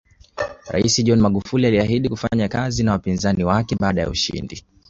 Rais John Magufuli aliahidi kufanya kazi na wapinzani wake baada ya ushindi